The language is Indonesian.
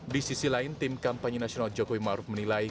di sisi lain tim kampanye nasional jokowi maruf menilai